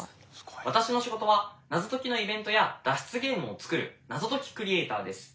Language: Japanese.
私の仕事は謎解きのイベントや脱出ゲームを作る謎解きクリエイターです。